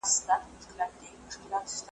هم پر کور هم یې پر کلي شرمولې ,